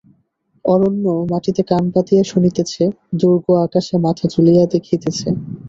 অরণ্য মাটিতে কান পাতিয়া শুনিতেছে, দুর্গ আকাশে মাথা তুলিয়া দেখিতেছে।